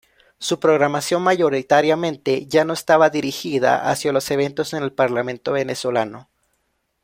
Su programación mayoritariamente ya no estaba dirigida hacia lo eventos en el parlamento venezolano.